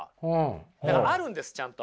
だからあるんですちゃんと。